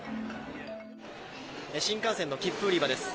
新幹線の切符売り場です。